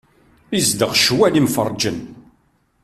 Izdeɣ ccwal imferrǧen.